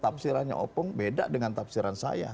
tafsirannya opung beda dengan tafsiran saya